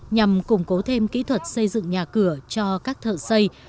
nhằm củng cố thêm kỹ thuật xây dựng nhà cửa cho các thợ xây